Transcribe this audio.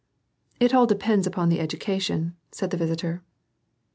" It all depends upon the education," said the visitor.